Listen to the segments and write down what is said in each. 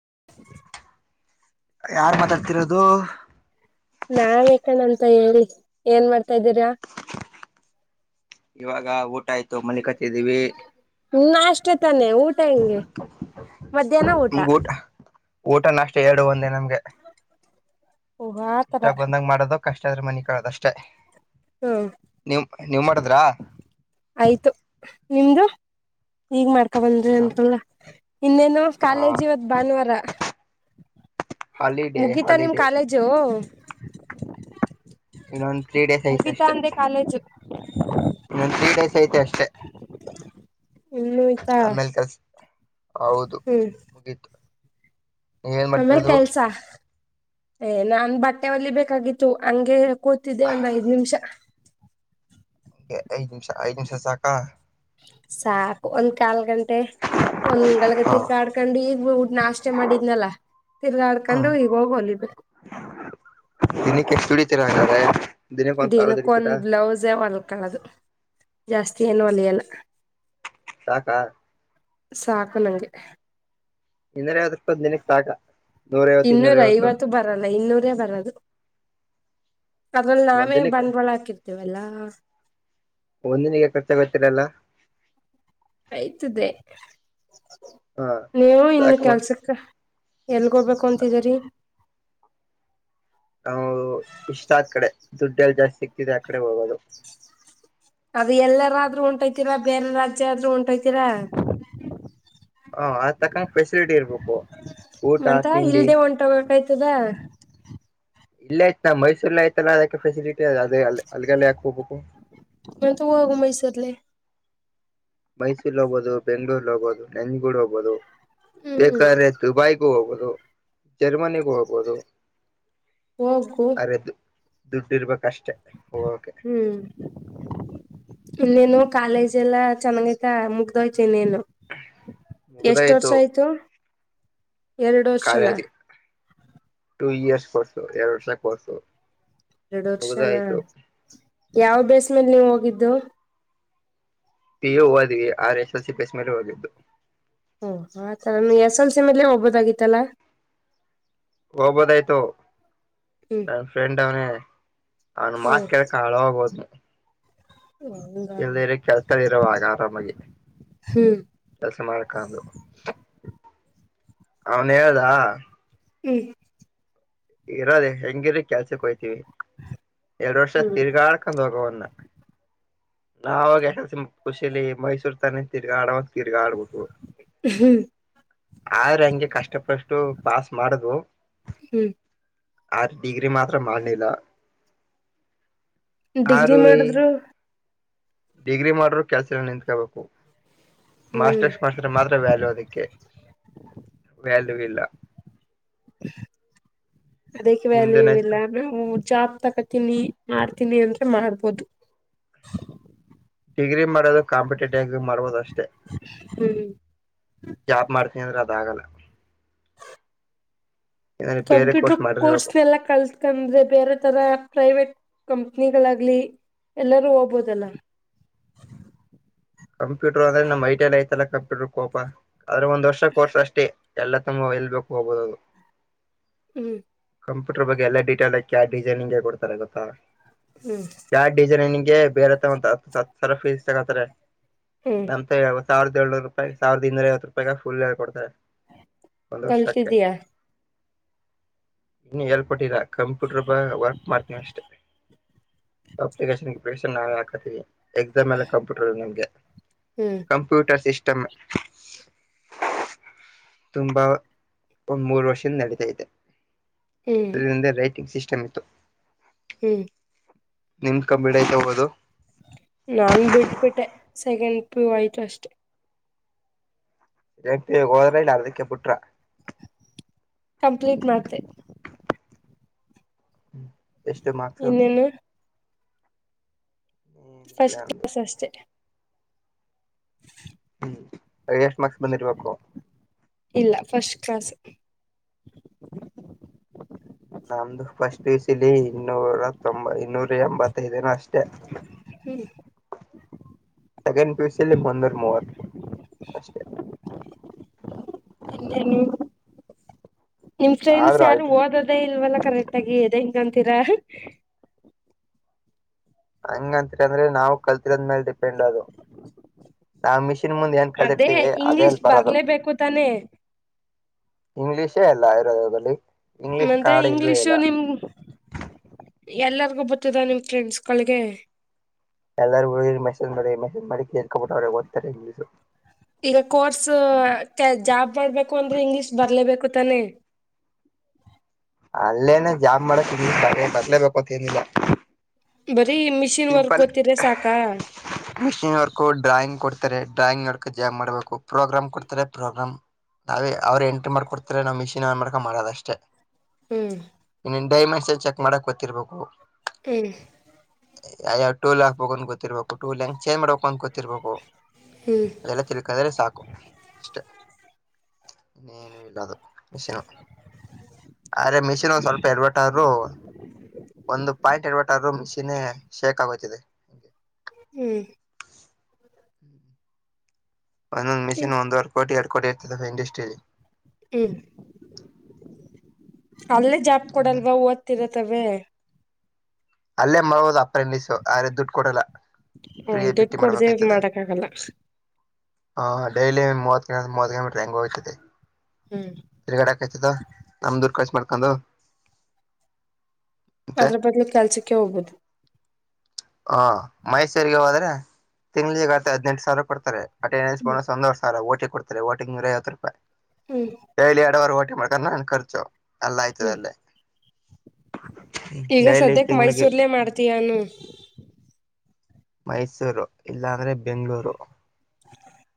[unintelligible] ಯಾರ್ ಮಾತಾಡ್ತಿರೋದು ನಾವೇಕಣ್ಣ ಅಂತ ಹೇಳಿ ಏನ್ ಮಾಡ್ತಾದೀರಾ ಇವಾಗ ಊಟ ಆಯ್ತು ಮಲ್ಲಿ ಕ ಹತ್ತಿದ್ದೀವಿ ನಾಷ್ಟಾ ತಾನೆ ಊಟ ಹೆಂಗೆ ಮಧ್ಯಾಹ್ನ ಊಟ ಊಟನ ಅಷ್ಟೇ ಎರಡು ಒಂದೇ ನಮ್ಗೆ ಓ ಆತರ ಇಷ್ಟ ಬಂದಂಗ ಮಾಡೋದು ಕಷ್ಟ ಅದ್ರ ಮನಿ ಕದಷ್ಟೇ ಹ್ಮ್ ನೀವ್ ನೀವ್ ಮಾಡದ್ರ ಆಯ್ತು ನಿಮ್ದು ಈಗ್ ಮಾಡ್ಕೊ ಬಂದ್ರಿ ಅಂತಲ್ಲ ಇನ್ನೇನು ಕಾಲೇಜ್ ಇವತ್ ಭಾನುವಾರ ಹಾಲಿಡೇ ಮುಗೀತಾ ನಿಮ್ ಹಾಲಿಡೇ ಕಾಲೇಜು ಇನ್ನೊಂದ್ ತ್ರೀ ಡೇಸ್ ಐತೆ ಮುಗಿತಾ ಅಷ್ಟೆ ಅಂದೆ ಕಾಲೇಜು ಸ ಐತೆ ಅಷ್ಟೆ ಇನ್ನು ಆಯ್ತಾ ಆಮೇಲೆ ಕೆಲ್ಸ ಹೌದು ಹ್ಮ್ ಮುಗೀತು ನೀವ ಏನ್ ಆಮೇಲ್ ಮಾಡ್ತಿರೋದು ಕೆಲ್ಸ ಏ ನನ್ ಬಟ್ಟೆಲಿ ಬೇಕಾಗಿತ್ತು ಹಂಗೆ ಕೂತಿದ್ದೆ ಒಂದ್ ಐದ್ ನಿಮಿಷ ನಿಮಿಷ ಐ ನಿಮಿಷ ಸಾಕಾ ಸಾಕು ಒಂದ್ ಕಾಲ್ ಗಂಟೆ ಒಂದ್ ಳಗ ಹ ತಿೀರ್ಕಾ ಆಡ್ಕೊಂಡು ಈಗ ಹಡ್ ನಾಸ್ೆ ಮಾಡಿದ್ನಲ್ಲ ತಿರ ಹ ನಡಕಂಡ ಹೋಗಗೋಗಲಿ ದಿನಕ್ಕೆ ಎಷ್ಟು ದುಡಿತೀರಾ ಹಂಗಾದ್ರೆ ದಿನಕ್ಕೆ ಒಂದ್ ಸಾವಿರ ದಿನಕ್ಕ ಒಂದ್ ದುಡಿತೀರಾ ಬ್ಲೌಸೇ ಹೊಲ್ಕಳದು ಜಾಸ್ತಿ ಏನು ಹೊಲಿಯಲ್ಲ ಸಾಕಾ ಸಾಕು ನಂಗೆ ಇನ್ನೂರ ಯಾವ್ದ ಇಪ್ಪ ದಿನಕ್ ಸಾಕ ನೂರ ಐವತ್ತು ಇನ್ನೂರ ಐವತ್ತು ಬರಲ್ಲ ಇನ್ನೂರೇ ಬರದು ಅದ್ರಲ್ಲಿ ಒಂದ್ ನಾವೇ ದಿನಕ್ಕೆ ಬಂಡವಾಳ ಹಾಕಿರ್ತೀವಲ್ಲಾ ಒಂದಿನಿಗೆ ಖರ್ಚಾಗೊತ್ತೀರಲ್ಲ ಆಯ್ತದೆ ಹ ನೀವು ಇನ್ನು ಸಾಕ ಕೆಲ್ಸಕ್ಕ ಎಲ್ಗೋಗ್ಬೇಕು ಅಂತಿದೀರಿ ದುಡ್ಡು ಎಲ್ಲ ಜಾಸ್ತಿ ಸಿಗ್ತಿದೆ ಆ ಕಡೆ ಹೋಗದು ಆದ್ರರು ಉಂಟೈತಿರಾ ಬೇರೆ ರಾಜ್ಯ ಆದ್ರರು ಉಂಟೈತೀರಾ ಹಾ ಅದ್ ತಕ್ಕಂಗ ಫೆಸಿಲಿಟಿ ಇರ್ಬೇಕು ಊಟ ಮಂತ ತಿಂಡಿ ಇಲ್ದೇ ಹೊಂಟೋಗಬೇಕಾಯ್ತದ ಇಲ್ಲ ಆಯ್ತ ನಾ ಮೈಸೂರ್ಲ್ಲ ಆಯ್ತಲ್ಲ ಅದಕ್ಕೆ ಫೆಸಿಲಿಟಿ ಅ ಅದೇ ಅಲ್ಲಿಗೆಲ್ಲ ಯಾಕಕ್ ಹೋಗಬೇಕು ಮ ತ ಹೋಗು ಮೈಸರ್ಲ್ಲಿ ಮೈಸೂರ್ ಹೋಗಬೋದು ಬೆಂಗಗಳೂರ್ ಹೋಗಬೋದು ನೆಂಜಗೂಡ್ ಹೋಗಬೋದು ಹ್ಮ್ ಬೇಕಾದ್ರೆ ದುಬೈಗೂ ಹೋಗ್ದು ಜರ್ಮನಿಗೂ ಹೋಗಬೋದು ಹೋಗು ದುಡ್ಡು ಇರ್ಬೇಕ ಅಷ್ಟೇ ಹ್ಮ್ ಇನ್ನೇನು ಕಾಲೇಜ್ ಎಲ್ಲಾ ಚೆನ್ನಾಗ ಐತ ಮುಗ್ದೋಯತೆತನೇನು ಎಷ್ಟ ಮುಗ್ದಾಯ್ತು ವರ್ಷ ಆಯ್ತು ಎರಡು ವಷನಾ ಕಾಲೇಜ್ ಟೂ ಇಯರ್ಸ್ ಕೊರ್ಸು ಎರಡು ವರ್ಷ ಕೊರ್ಸು ಎರಡು ವರ್ಷನ ಯಾವ ಬೇಸ್ ಮಲ್ ನೀವು ಹೋಗಿದ್ದು ಪಿ ಎ ಹದ್ವಿ R S L C pass ಮೇಲೆ ಹೋಗಿದ್ದು ಓ ಆತರ ನೀ ಎಸ್ ಎಲ್ಸ ಮೇಲೆ ಹೋಗಬೋದಾಗಿತ್ತಲ್ಲಾ ಹೋಗ್ಬೋದಾಯ್ತು ಹ್ಮ್ ನನ್ನ ಫ್ರೆಂಡ್ ಅವನೇ ಅವನು ಮಾತ್ ಹ್ಮ್ ಕಳ್ಕ್ ಹಾಳ ಹೋಗೋದು ಇಲ್ಲದ ಕೆಲ್ಸದಲ್ಲಿ ಇರವಾಗ ಆರಾಮಾಗಿ ಹ್ಮ್ ಕೆಲಸ ಮಾಡಕಂದು ಅವನ್ ಹೇಳುದಾ ಹ್ಮ್ ಇರದೆ ಹೆಂಗಿರಿ ಕೆಲ್ಸಕ್ ಹಯ್ತೀವಿ ಎರಡ್ ವರ್ಷ ಹ್ಮ್ ತಿರ್ಗಾ ಆಡ್ಕೊಂಡ್ ಹೋಗವನ್ನ ನಾವಾಗಸ ಖುಷಿಲಿ ಮೈಸೂರ್ ತಾನೆಂತೀರ್ ಆಡ ತಿರ್ಗಾ ಆಡ್ಬಿಟ್ಟ ಆದ್ರ ಹಂಗೆ ಕಷ್ಟಪಷ್ಟು ಪಾಸ್ ಮಾಡುದು ಹ್ಮ್ ಆ ಡಿಗ್ರಿ ಮಾತ್ರ ಮಾಡಿಲ್ಲ ಡಿಗ್ರಿ ಮಾಡಿದ್ರು ಡಿಗ್ರಿ ಮಾಡ್ರರು ಕೆಲ್ಸ ಎ ನಿಂತ್ಕೋಬೇಕು ಹ್ಮ್ ಮಾಸ್ಟರ್ಸ್ ಮಾಡ್ಸ್ರೆ ಮಾತ್ರ ವ್ಯಾಲ್ಯೂ ಅದಕ್ಕೆ ವ್ಯಾಲ್ಯೂ ಇಲ್ಲ [inaudible] ಅದಕ್ಕೆ ವ್ಯಾಲ್ಯೂ ನಿಮ್ದೇನಯ್ತು ಇಲ್ಲ ಜಾಬ್ ತಕತೀನಿ ಮಾಡ್ತೀನಿ ಅಂದ್ರೆ ಮಾಡ್ಬೋದು ಡಿಗ್ರಿ ಮಾಡೋದು ಕಾಂಪಿಟೇಟಿವ್ ಆಗಿ ಮಾಡೋುದು ಅಷ್ಟೇ ಹ್ಮ್ ನೀ ಅಂದ್ರೆ ಅದ ಆಾಗಲ್ಲ ಬೇರೆ ಕಂಪ್ಯೂಟರ್ ಕೋರ್ಸ್ ಮಾಡಿರ್ಬೇಕು ಎಲ್ಲ ಕಲ್ತ್ಕಂದ್ರೆ ಬೇರೆ ತರ ಪ್ರೈವೇಟ್ ಕಂಪನಿಗಳಾಗ್ಲಿ ಎಲ್ಲಾರೂ ಹೋಗ್ಬೋದಲ್ಲ ಕಂಪ್ಯೂಟರ್ ಅಂದ್ರೆ ನಮ್ ಐಟಲ್ ಐ್ತಲ್ಲ ಕಂಪ್ಯೂಟರ್ ಕೋಪ ಆದ್ರೆ ಒಂದ್ ವರ್ಷ ಕೋರ್ಸ್ ಅಷ್ಟೇ ಎಲ್ಲ ತುಂಬ ಇಲ್ಬೇಕು ಹೋಗಬೋುದು ಅದು ಹ್ಮ್ ಕಂಪ್ಯೂಟರ್ ಬಗ್ಗೆಟೇಲ್ಯ ಡಿಸೈನಿಂಗ್ ಕೊಡ್ತಾರೆ ಗೊತ್ತಾ ಹ್ಮ್ ಯಾವ ಡಿಸೈನಿಂಗ್ ಬೇರೆತ್ತ ಒಂತ ಹ ಹತ್ ಸಾವಿರ ಫೀಸ್ ತಗತಾರೆ ಹ್ಮ್ ಅಂತ ವ್ಯೆ ಸಾವಿರದ ಏನೂರು ರೂಪಾಯಿ ಸಾವಿದ ಇೂೈಐವ ರೂಾಯಗ ಲ್ಳ್ ಕೊಡ್ತಾರೆ ಕಲ್ತಿದ್ದೀಯಾ ಇನ್ನು ಎೇಲ್ಪಟ್ಟೀರಾ ಕಂಪ್ಯೂಟರ್ ಬ ವರ್ಕ್ ಮಾಡ್ತೀನಿ ಅಷ್ಟೆ ಅಪ್ಲಿಕೇಶನ್ಲಿಕೇಶನ್ ನಾವೇ ಹಾಕತೀವಿ ಎಕ್ಸಾಮ್ ಎಲ್ಲ ಕಂಪ್ಯೂಟರ್ ನಮಗೆ ಹ್ಮ್ ಕಂಪ್ಯೂಟರ್ ಸಿಸ್ಟಮ್ ತುಂಬಾ ಒ ಮೂರ್ ವರ್ಷದ ನಡೀತಾೈತೆ ಹ್ಮ್ ಅದರಿಂದ ರೈಟಿಂಗ್ ಸಿಸ್ಟಮ್ ಇತ್ತು ಹ್ಮ್ ನಿಮ್ ಕಂಬಿಡೈತ ಹೋಗೋದು ನಾನ್ ಬಿಟ್ಬಿಟ್ಟೆ ಸೆಕೆಂಡ್ ಪ ಐಟ್ ಅಷ್ಟೆ ಪ ಗೋದಲಲಿ ಅದಿಕ ಪುಟ್ರ ಕಂಪ್ಲೀಟ್ ಮಾಡ್ತೆ ಎಷ್ಟು ಮಾಡಾರ್ಕ್ಸು ಇನ್ನೇನು ಇಲ್ಲ ಫಸ್ಟ್ ಅಂದು ಕ್ಸ್ ಅಷ್ಟೆ ಯಷಕ್ಸ್ ಬಂದಿರ್ಬೇಕಕ್ಕೋ ಇಲ್ಲ ಫಸ್ಟ್ ಕ್ಲಾಸ್ ನಮ್ದು ಫಸ್ಟ್ ವಸ ಇಲಿ ಇನ್ನೂರ ತೊಂಬ ಇನ್ನೂರ ಎಂಬತ್ತದನ ಅಷ್ಟೇ ಹ್ಮ್ ಸೆಕ್ ಪಲ್ಲಿ ಮಂದೂರ್ ಮೂವತ್ತು ಅಷ್ಟೇ ಇನ್ನೇನು ನಿಮ್ ಫ್ರೆಂಡ್ಸ್ ಆದ್ರೂ ಯಾರು ಆಯ್ತು ಓದದೇ ಇಲ್ವಲ್ಲ ಕರೆಕ್ ಆಗಿ ಎದೆ ಹಂಗಂತೀರಾ ಹಂಗಂತರಿ ಅಂದ್ರೆ ನಾವವು ಕಲ್ತಿರೋದ್ಮೇಲ್ ಡಿಪೆಂಡ್ ಅದು ನಾವು ಮಿಷಿನ್ ಮುಂದೆ ಏನ್ ಕಲ್ರ್ತೀವಿ ಅದೇಲ್ಲಿ ಬರದು ಹೆ ಇಂಗ್ಲಿಷೇ ಎಲ್ಲ ಇರೋಧ್ ಆದ್ರಳಿ ಮತ್ತೆ ಇಂಗ್ಲಿಷು ನಿಮ ಎಲ್ಲರಿಗೂ ಗೊತ್ತಿದ ನಿಮ್ ಫ್ರೆಂಡ್ಸ್ಗಳಿಗೆ ಎಲ್ಲರೂ ಹು ಮೆಸೇಜ್ ಮಾಡಿ ಮೆಸೇಜ್ ಮಾಡಿ ಕೇಳ್ಕೊಬಿಟ್ಟ ಅವ್ರ ಓದತಾರೆ ಇಂಗ್ಲೀಸು ಈಗ ಕೋರ್ಸ್ ಜಾಬ್ ಮಾಡ್ಬೇಕು ಅಂದ್ರೆ ಇಂಗ್ಲಿಷ್ ಬರ್ಲೇಬೇಕು ತಾನೆ ಅಲ್ಲೇನ ಜಾಮ್ ಮಾಡೆ ಬರ್ಲೇಬೇಕತ್ ಏನಿಲ್ಲ ಬರೀ ಮಿಷಿನ್ ವರ್ಕ್ ಸಿಂಪಲ್ ಗೊತ್ತಿದ್ರೆ ಸಾಕಾ ಮಿಷಿನ್ ವರ್ಕ್ ಡ್ರಾಯಿಂಗ್ ಕೊಡ್ತಾರೆ ಡ್ರಾಯಿಂಗ್ ಮಾಡಾಕ ಜಾಗ್ ಮಾಡ್ಬೇಕು ಪ್ರೋಗ್ರಾಮ್ ಕೊಡ್ತಾರೆ ಪ್ರೋಗ್ರಾಮ್ ನಾವೇ ಅವ್ರು ಎಂಟ್ರಿ ಮಾಡ್ಕೊಡ್ತರ ನಾವವು ಮಿಷಿನ್ ಮಾಡ್ಕ ಮಾಡೋದಷ್ಟೇ ಹ್ಮ್ ಡೈಮೆಂಡ್ಸ್ ಚೆಕ್ ಮಾಡಕ್ ಗೊತಿರ್ಬೇಕು [unintelligible] ಯಯಾವ ಟೋಲ್ ಕ್ಬೇಕಕ ಅ ಗೊತ್ತರ್ಬೇಕ ಟ ಲ್ಕ್ ಚೇ್ಬೇಕ ಅಂತ ಗ ತಿರ್ಬೇಕು ಹ್ಮ್ ಅದೆಲ್ಲ ತಿರ್ಕಾದ್ರೆ ಸಾಕು ಅಷ್ಟೆ ಇನ್ನೇನೂ ಇಲ್ಲ ಅದು ಮಷಿನ ಆದ್ರೆ ಮಿಷಿನ್ ಒಂದ ಸ್ವಲ್ಪ ಯಡಾವಟು ಆದ್ರೂ ಒಂದು ಪಾಯಿಂಟ್ ಎಡ್ಬಟ್ಟರು ಮಿಷನ್ [unintelligible] ಹ್ಮ್ ಒಂದೊಂದಂದು ಮಿಷನ್ ಒಂದುವರೆ ಕೋಟಿ ಎರಡು ಕೋಟ ಇರ್ತದೆ ಇಂಡಸ್ಟ್ರಿಲ್ಲಿ ಹ್ಮ್ ಅಲ್ಲೇ ಜಾಪ್ ಕೊಡಲ್ವಾ ವತ್ತಿರತ್ತ ತವೆೇ ಅಲ್ಲೇ ಮೋದು ಅಪ್ರೆಂಡಸು ಆದ್ರೆ ದುಡ್ಡು ಕೊಡಲ್ಲ ಹ್ಮ ಫ್ರೀಯ ದುಡ್ಡು ಬಿಟ್ಟಿ ಕೊಡ್ದೇ ಮಾಡಕ್ ಆಗಲ್ಲ ಹ್ ಡೈಲಿ ಮೂವತ್ತು ಮೂವ ಕಿಲೋಮೀಟರ್ ಹೆಂಗೋ ಹಯ್ತದೆ ಹ್ಮ್ ತಿರ್ಗಡೆ ಆಕಾಯ್ತದ ನಮ್ದೂರ್ ಕರ್ಸ ಮಾಡ್ಕೊಂಡು ಮತ್ತೆ ಅದ್ರ ಬದ್ಲು ಕೆಲ್ಸಕ್ಕೆ ಹೋಗ್ಬೋದು ಹಾ ಮೈಸೂರಿಗೆ ಹೋದ್ರೆ ತಿಂಗ್ಳಿಗೆಗ ಆತ ಹದ್ನೆೆಂಟು ಸಾವಿರ ಕೊಡ್ತಾರೆ ಅನ್ ಸಂತೋಷ ಓಟಿ ಕೊಡ್ತೋಗ ನೂರ ಐವತ್ತು ರೂಪಾಯಿ ಹ್ಮ್ ಡೈಲಿ ಎಡುವರೆ ಓಟಿ ಮದನ ಅನ ಖರ್ಚು ಎಲ್ಲ ಹ್ಮ್ ಆಯ್ತದಲ್ಲೇ ಈಗ ಸದ್ಯಕ್ಕೆ ಮೈಸೂರ್ಲೆೇ ಮಾಡ್ತಯಾನು ಮೈಸೂರು ಇಲ್ಲಾ ಅಂದ್ರೆ ಬೆಂಗಳೂರು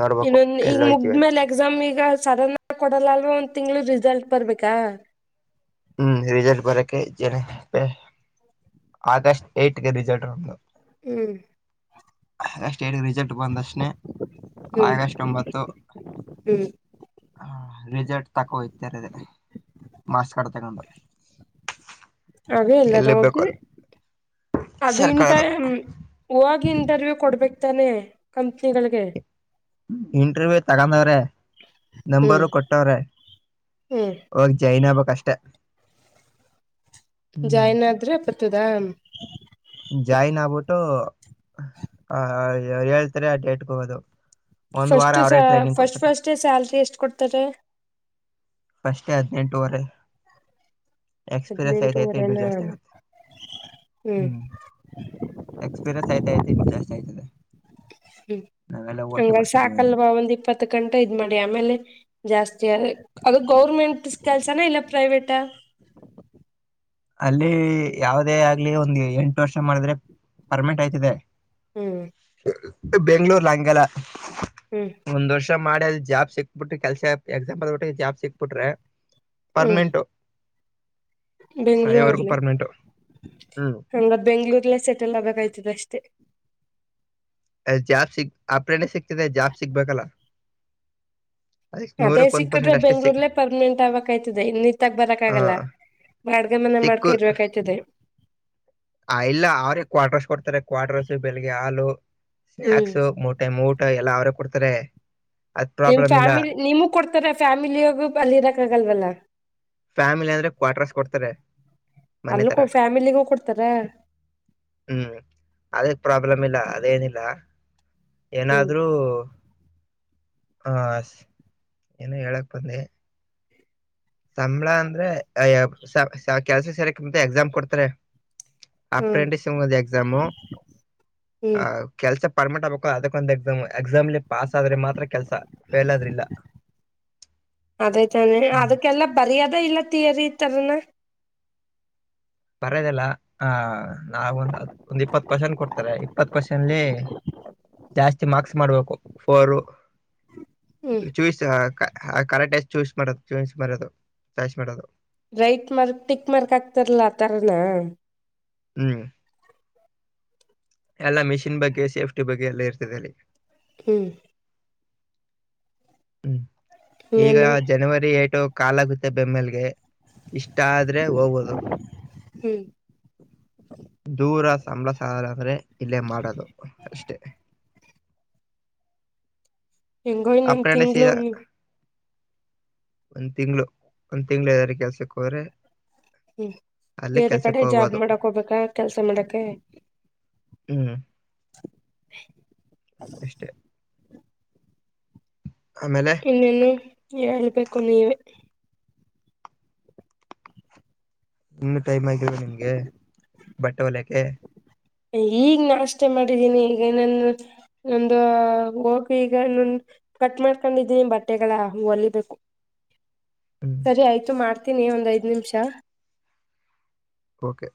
ನೋಡ್ಬೇಕು ಇನ್ನೊಂದ ಈಗ ಎಲ್ಲ ಹೋಯ್ತಿವಿ ಅಂತ ಮುಗ್ಮೇಲೆ ಎಕ್ಸಾಮ್ ಈಗ ಸಾಧಣ ಕೊಡಲ್ಲ ಅಲ್ವಾ ಒಂದ್ ತಿಂಗ್ಳ ರಿಸಲ್ಟ್ ಬರ್ಬೇಕಾ ಹ್ಮ್ ರಿಸಲ್ಟ್ ಭರಕ್ಕೆ ಆಗಸ್ಟ್ ಏಟ್ಗೆ ರಿಸಲ್ಟ್ ನಮ್ದು ಹ್ಮ್ ಆಗಸ್ಟ್ ಏಟ್ಗೆ ರಿಸಲ್ಟ್ ಬಂದಕ್ಷಣೆ ಆಗಸ್ಟ್ ಒಂಬತ್ತು ಹ್ಮ ರಿಸಲ್ಟ್ ತಕೋೋಗ್ತರ ಮಾರ್ಸ್ ಕಡೆ ತಗೊಂಡ ಅವೇ ಇಲ್ಲ ರೋಗಿ ಅದು ಇಟ ಸರ್ಕಾರದ ಹೋಗಿ ಇಂಟರ್ವ್ಯೂ ಕೊಡ್ಬೇಕು ಇತಾನೆ ಕಂಪ್ನಿಗಳಿಗೆ ಹ್ಮ್ ಇಂಟರ್ವ್ಯೂ ತಗೊಂಡವ್ರೆ ಹ್ಮ್ ನಂಬರು ಕೊಟ್ಟವ್ರೆ ಹ್ಮ್ ಒಾಗ ಜೈನ್ ಆಬ ಅಷ್ಟೇ ಜಾಯಿನ್ ಆದ್ರೆಪ್ಪತ್ತದಾ ಜಾಯಿನ್ ಆಗ್ಬಿಟ್ಟು ಆ ಹೇಳ್ತರಿ ಡೇಟ್ಗೆ ಹೋಗೋದು ಒಂದ್ ವಾರ ಫಸ್ಟ್ ಅವರೇ ಟ್ರೈನಿಂಗ್ ಫಸ್ಟ್ ಕೊಡ್ತಾರೆ ಫಸ್ಟ್ ಸ್ಯಲ್ರಿ ಎಷ್ಟ್ ಕೊಡ್ತಾರೆ ಫಾಸ್ಟ್ ಗೆ ಹದನೆಂಟುವರೆ ಎಕ್ಸ್ಪೀರಿಯನ್ಸ್ ಐತ ಐತೆ ಇನ್ನುೂ ಹದ್ನೆಂಟುವರೆನಾ ಜಾಸ್ತಿ ಆಗುತ್ತೆ ಹ್ಮ್ ಎಕ್ಸ್ಪಿರಿನ್ಸ್ ಆಯ್ತಐತಿ ಜಾಸ್ತಿ ಆಯತ ಹ್ಮ್ ಹಂಗ ಅಂದ್ರೆ ಸಾಕಲ್ವಾ ಒಂದ್ ಇಪ್ಪತ್ತು ಗಂಟೆ ಇದ್ ಮಾಡಿ ಆಮೇಲೆ ಜಾಸ್ತಿ ಅದು ಗೌರ್ಮೆಂಟ್ ಕೆಲ್ಸನಾ ಇಲ್ಲ ಪ್ರೈವೇಟ ಅಲ್ಲಿ ಯಾವದೇ ಆಗ್ಲಿ ಒಂದ ಎಂಟು ವರ್ಷ ಮಾಡಿದ್ರೆ ಪರ್ಮೆನೆಂಟ್ ಆಯ್ತಿದೆ ಹ್ಮ್ ಬೆಂಗ್ಳೂರ್ ನಂಗಲ್ಲ ಹ್ಮ್ ಒಂದ್ ವರ್ಷ ಮಾಡಲ್ ಜಾಬ್ ಸಿಕ್ಬಿಟ್ರಿ ಕೆಲ್ಸ ಎಕ್ಸಾಂಪಲ್ ಒಟ್ಟಿಗೆ ಜಾಬ್ ಸಿಕ್ಬಿಟ್ರಿ ಪರ್ಮನೆೆಂಟು ಬೆಂಗಳೂರುಲ್ಲಿ ಹ್ಮ್ ಹ ಬೆಂಗಳೂರುಲ ಸೆಟಲ್ ಅಬೇಕಾದಿತ್ತ ದಷ್ಟೇ ಅಲ್ಲಿ ಜಾಬ್ ಸಿಗ್ ಆಪ್ರೇನೆ ಸಿಗ್ತದೆ ಜಾಬ್ ಸಿಗ್ಬೇಕಲ್ಲ ಅದಕ್ಕೆ ಅದೇ ನೂರಕ್ಕೆ ಒಂದ್ ಸಿಕ್ಕಟ್ರೆ ಪರ್ಸೆಂಟ್ ಅಷ್ಟೇ ಬೆಂಗಳೂರು ಸಿಕ್ ಅಲ್ಲೇ ಪರ್ಮನೆಂಟ್ ಆಕ್ಯ್ತದೆ ಇನ್ನತ್ತಾಗ ಬರಕ್ ಆ ಆಗಲ್ಲ ಬಾಡಗೆ ಮನೆ ಮಾಡ್ಕ ಸಿಕ್ಕು ಇರ್ಬೇಕಾಯ್ತದೆ ಆ ಇಲ್ಲ ಅವ್ರಿಗೆ ಕ್ವಾರ್ಟರ್ಸ್ ಕೊಡ್ತಾರೆ ಕ್ವಾರ್ಟರ್ಸ್ ಬೆಳಿಗ್ಗೆ ಹಾಲು ಹ್ಮ್ ಸ್ನೇಕ್ಸ್ ಮೂಟೆ ಮೂಟ ಎಲ್ಲಾ ಅವ್ರ ಕೊಡ್ತಾರೆ ಅದ್ ನಿಮ್ ಪ್ರಾಬ್ಲಮ್ ಇಲ್ಲ ಫ್ಯಾಮಿಲಿ ನಿಮೂ ಕೊಡ್ತಾರ ಫ್ಯಾಮಿಲಿಯಾಗ ಅಲ್ಲಿ ಇರಕ್ ಆಗಲ್ವಲ್ಲ. ಫ್ಯಾಮಿಲಿ ಅಂದ್ರೆ ಕ್ವಾರ್ಟರ್ಸ್ ಕೊಡ್ತಾರೆ. ಮನೆ ಅಲ್ಲ ತರ ಫ್ಯಾಮಿಲಿಗೂ ಕೊಡ್ತಾರೆ. ಹ್ಮ್ ಅದೇ ಪ್ರಾಬ್ಲಮ್ ಇಲ್ಲ ಅದೇನಿಲ್ಲ ಹ್ಮ್ ಏನಾದ್ರೂ ಹಾ ಏನು ಹೇಳಕ್ ಬಂದೆ ಸಂಬಳ ಅಂದ್ರೆ ಕೆಲ್ಸ ಸೇರಕ ಮಂಚೆ ಎಕ್ಸಾಮ್ ಕೊಡ್ತಾರೆ ಹ್ಮ್ ಅಪೆಂಡಿಕ್ಸ್ ಎಕ್ಸಾಮು ಹ್ಮ್ ಆ ಕೆಲ್ಸ ಪರ್ಮನೆಂಟ್ ಆಗಬೇಕು ಅದಕ್ಕ ಒಂದು ಎಕ್ಸಾಮ್ ಎಕ್ಸಾಮ್ ಲೇ ಪಾಸ್ ಆದ್ರರೆ ಮಾತ್ರ ಕೆಲಸ ಫೇಲ್ ಆದರೆ ಇಲ್ಲ ಅದೇ ತಾನೆ ಅದಕ್ಕೆಲ್ಲ ಬರಿಯದ ಇಲ್ಲ ತಿಯರಿತರನ ಬರೆದಿಲ್ಲ ಆ ನಾವ ಒಂದ್ ಒಂದ್ ಇಪ್ಪತ್ ಕಕ್ವೆಶ್ಚನ್ ಕೊಡ್ತಾರೆ ಇಪ್ಪತ್ ಕ್ವೆಶ್ಚನ್ಲಿ ಜಾಸ್ತಿ ಮಾರ್ಕ್ಸ್ ಮಾಡ್ಬೇಕು ಫೋರ್ ಹ್ಮ್ ಚೂಸ್ ಕರೆಕ್ಟ್ ಸ್ ಚೂಸ್ ಮಾಡೋದು ಚೂಸ್ ಮಾಡೋದು ಚಾಯ್ಸ್ ಮಾಡೋದು ರೈಟ್ ಮಾರ್ಕ್ ಟಿಕ್ ಮಾರ್ಕ್ ಹಾಕ್ತಾರಲಾ ಆ ತರನ ಹ್ಮ್ ಎಲ್ಲಾ ಮಿಷಿನ್ ಬಗ್ಗೆ ಸೇಫ್ಟಿ ಬಗ್ಗೆ ಎಲ್ಲ ಇರ್ತದೆ ಅಲ್ಲಿ ಹ್ಮ್ ಹ್ಮ್ ಈಗ ಇನ್ನೇನು ಜನವರಿ ಏಟು ಕಾಲಾಗುತ್ತೆ ಬೆಮ್ಮೆಲ್ಗೆ ಇಷ್ಟ ಆದ್ರೆ ಹೋಗುದು ಹ್ಮ್ ದೂರ ಸಂಬಳಸಾರಾರ ಅಂದ್ರೆ ಇಲ್ಲೇ ಮಾಡದು ಅಷ್ಟೆ. ಹೆಂಗೋ ಇನ್ನೊಂದ್ ಅಪೆಂಡ್ ತಿಂಗ್ಳು ಸಿಯಾ ಹ್ಮ್ ಒಂದ್ ತಿಂಗಳ ಒಂದ್ ತಿಂಗಳ ಯದಾರ ಕೆಲ್ಸಕ್ಕೆ ಹೋದ್ರೆ. ಹ್ಮ್ ಅಲ್ಲಿ ಬೇರೆ ಕಡೆ ಕೆಲ್ಸಕ್ಕೆ ಜಾಬ್ ಹೋಗ್ಬೋದು ಮಾಡಕ್ ಹೋಗ್ಬೇಕಾ ಕೆಲ್ಸ ಮಾಡಕೆ ಹ್ಮ್ ಎಷ್ಟೇ ಇನ್ನೇನ್ನು ಹೇಳ್ಬೇಕು ನೀವೆ ಇನ್ನು ಟೈಮ್ ಆಗಿಲ್ವ ನಿಮ್ಗೆ ಬಟ್ಟೆ ಹೋಲಿಯಕೆ ಈಗ್ ನಾಷ್ಟಾ ಮಾಡಿದ್ದೀನಿ ಈಗ ನಾನು ಒಂದು ಹೋಗಿ ಈಗ ಕಟ್ ಮಾಡ್ಕೊಂಡಿದ್ದೀನಿ ಬಟ್ಟೆಗಳ ಹೋಲಿಬೇಕು. [inaudible] ಹ್ಮ್ ಸರಿ ಆಯ್ತು ಮಾಡ್ತೀನಿ ಒಂದ್ ಐದ್ ನಿಮಿಷ ಓಕೆ